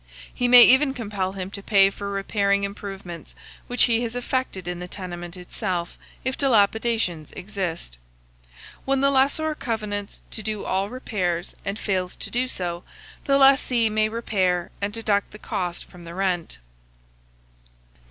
He may even compel him to pay for repairing improvements which he has effected in the tenement itself, if dilapidations exist. When the lessor covenants to do all repairs, and fails to do so, the lessee may repair, and deduct the cost from the rent. 2719.